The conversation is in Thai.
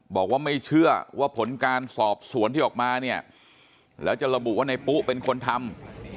บอกว่าไม่เชื่อว่าผลการสอบสวนที่ออกมาเนี่ยแล้วจะระบุว่าในปุ๊เป็นคนทำ